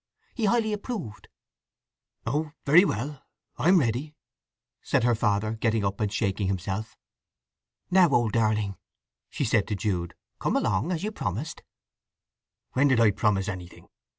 He highly approved." "Oh very well, I'm ready," said her father, getting up and shaking himself. "Now, old darling," she said to Jude. "Come along, as you promised." "When did I promise anything?"